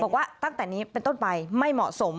บอกว่าตั้งแต่นี้เป็นต้นไปไม่เหมาะสม